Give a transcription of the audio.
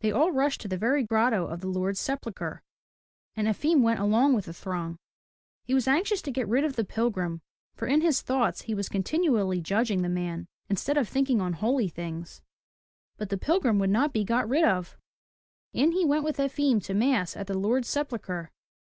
They all rushed to the very grotto of the Lord's sepulchre, and Efim went along with the throng. He was anxious to get rid of the pilgrim, for in his thoughts he was continually judging the man instead of thinking on holy things. But the pilgrim would not be got rid of. In he went with Efim to mass at the Lord's sepulchre.